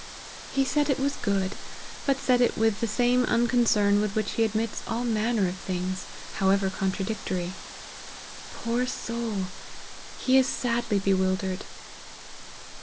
He said it was good, but said it with the same unconcern with which he admits all manner of things, however contradictory. Poor soul! he is sadly bewildered.